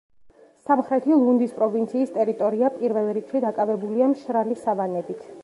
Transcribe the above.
სამხრეთი ლუნდის პროვინციის ტერიტორია პირველ რიგში დაკავებულია მშრალი სავანებით.